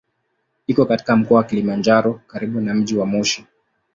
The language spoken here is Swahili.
Iko katika Mkoa wa Kilimanjaro karibu na mji wa Moshi.